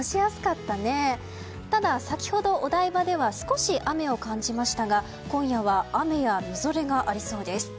ただ先ほどお台場では少し雨を感じましたが今夜は雨やみぞれがありそうです。